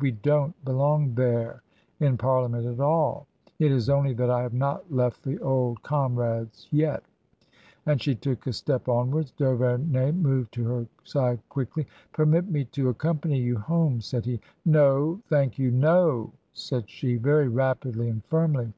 We don't belong there in Parlia ment at all. It is only — that I have not left the old comrades — yetr And she took a step onwards. D'Auverney moved to her side quickly. " Permit me to accompany you home," said he. " No, thank you — no r said she, very rapidly and firmly.